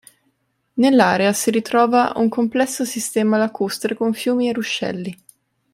Nell'area si ritrova un complesso sistema lacustre con fiumi e ruscelli.